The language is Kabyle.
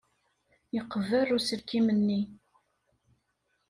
Yeqber uselkim-nni.